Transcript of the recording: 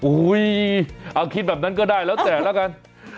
เอาคิดแบบนั้นก็ได้แล้วแต่ละกัน